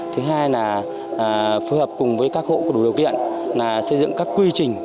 thứ hai là phù hợp cùng với các hộ của đủ điều kiện là xây dựng các quy trình